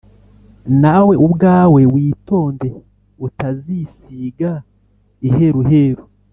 nawe ubwawe witonde, utazisiga iheruheru.